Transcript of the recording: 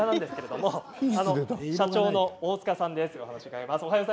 社長の大塚さんです。